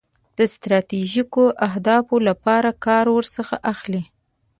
د ستراتیژیکو اهدافو لپاره کار ورڅخه اخلي.